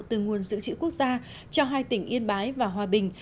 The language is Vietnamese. từ nguồn dự trữ quốc gia cho hai tỉnh yên bái và hòa bình